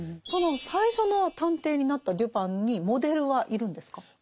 その最初の探偵になったデュパンにモデルはいるんですか？